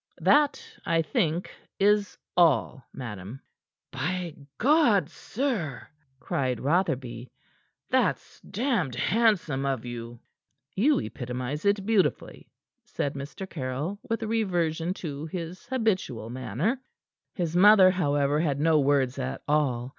That, I think, is all, madam." "By God, sir," cried Rotherby, "that's damned handsome of you!" "You epitomize it beautifully," said Mr. Caryll, with a reversion to his habitual manner. His mother, however, had no words at all.